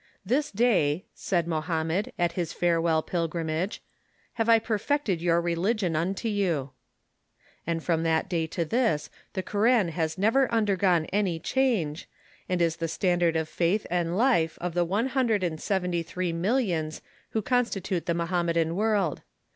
"This day," said Mohammed, at his Farewell Pilgrimage, " have I perfected your religion unto you." And from that day to this the Koran has never undergone any change, and is the standard of faith and life of the one hundred and seventy three millions who constitute the Mohammedan world.